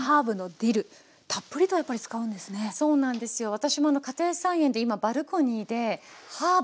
私も家庭菜園で今バルコニーでハーブ